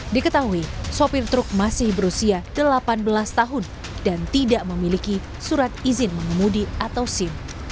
diketahui sopir truk masih berusia delapan belas tahun dan tidak memiliki surat izin mengemudi atau sim